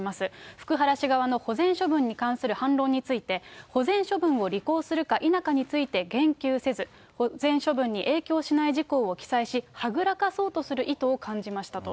福原氏側の保全処分に関する反論について、保全処分を履行するか否かについて、言及せず、保全処分に影響しない事項を記載し、はぐらかそうとする意図を感じましたと。